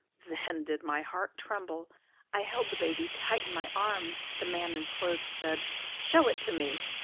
"Then did my heart tremble! I held the baby tight in my arms. The man in clothes said, 'Show it to me!'